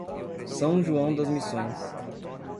São João das Missões